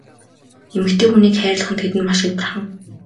Эмэгтэй хүнийг хайрлах нь тэдэнд маш хялбархан.